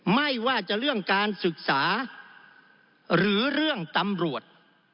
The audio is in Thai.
ไม่ว่าจะเรื่องการศึกษาหรือเรื่องตำรวจ